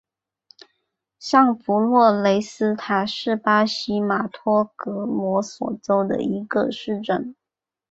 上弗洛雷斯塔是巴西马托格罗索州的一个市镇。